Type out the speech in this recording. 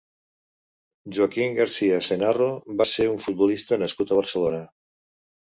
Joaquín García Cenarro va ser un futbolista nascut a Barcelona.